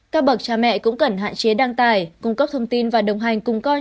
các bậc cha mẹ cũng cần hạn chế đăng tải cung cấp thông tin và đồng hành cùng con